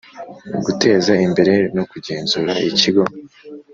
Guteza imbere no kugenzura ikigo